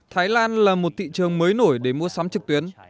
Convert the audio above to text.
thái lan là một thị trường mới nổi để mua sắm trực tuyến